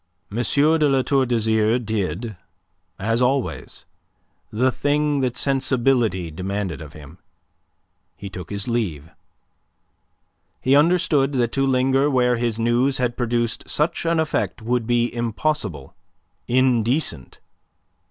de La Tour d'Azyr did, as always, the thing that sensibility demanded of him. He took his leave. He understood that to linger where his news had produced such an effect would be impossible, indecent.